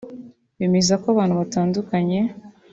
bemeza ko abantu batandukanye